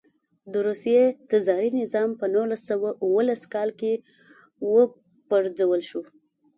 د روسیې تزاري نظام په نولس سوه اوولس کال کې و پرځول شو.